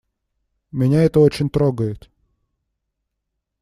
Меня это очень трогает.